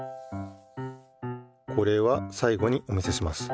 これはさい後にお見せします。